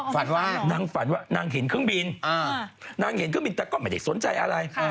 ฝันว่านางฝันว่านางเห็นเครื่องบินนางเห็นเครื่องบินแต่ก็ไม่ได้สนใจอะไร